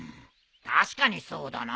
確かにそうだな。